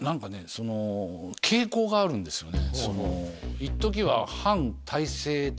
その傾向があるんですよね